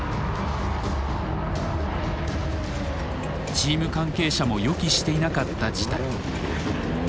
チーム関係者も予期していなかった事態。